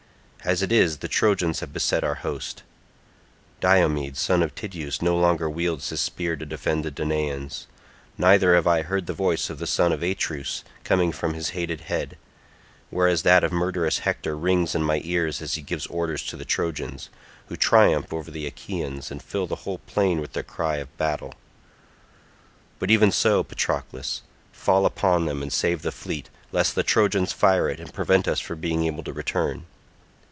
As it is the Trojans have beset our host. Diomed son of Tydeus no longer wields his spear to defend the Danaans, neither have I heard the voice of the son of Atreus coming from his hated head, whereas that of murderous Hector rings in my cars as he gives orders to the Trojans, who triumph over the Achaeans and fill the whole plain with their cry of battle. But even so, Patroclus, fall upon them and save the fleet, lest the Trojans fire it and prevent us from being able to return.